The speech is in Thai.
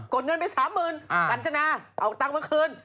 กดเงินไปสามหมื่นกัญจนาเอาเงินมาคืน